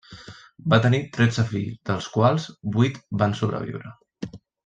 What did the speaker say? Va tenir tretze fills, dels quals vuit van sobreviure.